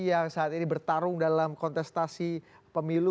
yang saat ini bertarung dalam kontestasi pemilu